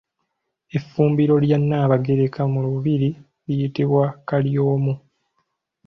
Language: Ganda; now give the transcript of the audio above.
Effumbiro erya Nnaabagereka mu lubiri liyitibwa Kalyomu.